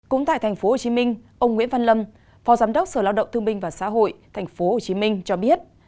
cũng tại tp hcm ông nguyễn văn lâm phó giám đốc sở lao động thương minh và xã hội tp hcm cho biết